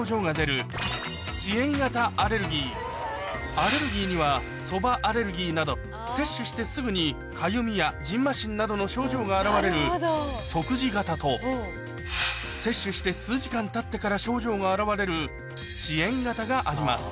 アレルギーにはそばアレルギーなど摂取してすぐにかゆみや蕁麻疹などの症状が現れる即時型と摂取して数時間たってから症状が現れる遅延型があります